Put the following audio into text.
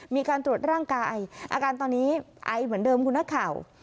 มีการตรวจร่างกายอาการตอนนี้ไอเหมือนเดิมคุณนักข่าว